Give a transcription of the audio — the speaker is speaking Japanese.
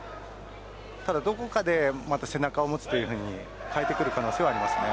ただ、どこかで背中を持つというように変えてくる可能性はあります。